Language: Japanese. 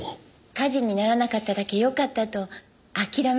火事にならなかっただけよかったと諦めているんです。